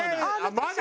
まだ。